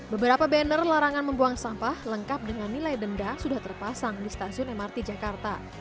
beberapa banner larangan membuang sampah lengkap dengan nilai denda sudah terpasang di stasiun mrt jakarta